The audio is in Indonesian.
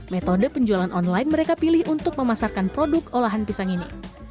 metode penjualan online mereka pilih untuk memasarkan produk olahan pisang ini